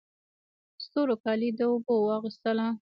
ستورو کالي د اوبو واغوستله